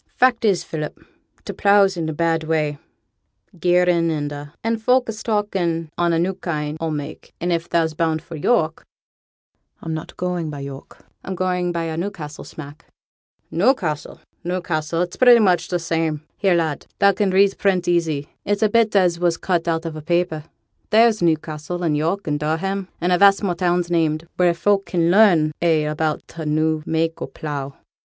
'Fact is, Philip, t' pleugh's in a bad way, gearin' and a', an' folk is talkin' on a new kind o' mak'; and if thou's bound for York ' 'I'm not going by York; I'm going by a Newcastle smack.' 'Newcassel Newcassel it's pretty much t' same. Here, lad, thou can read print easy; it's a bit as was cut out on a papper; there's Newcassel, and York, and Durham, and a vast more towns named, wheere folk can learn a' about t' new mak' o' pleugh.'